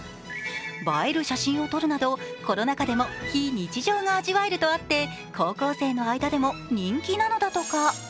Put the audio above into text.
映える写真を撮るなどコロナ禍でも非日常が味わえるとあって高校生の間でも人気なんだとか。